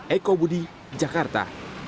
eko budi jakarta